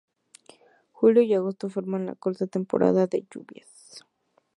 Julio y agosto forman la corta temporada de lluvias.